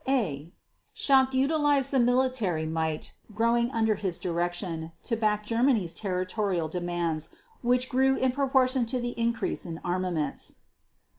a) Schacht utilized the military might growing under his direction to back Germany's territorial demands which grew in proportion to the increase in armaments.